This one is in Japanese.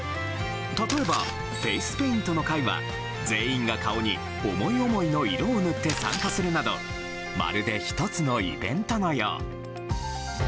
例えばフェースペイントの会は全員が顔に思い思いの色を塗って参加するなどまるで１つのイベントのよう。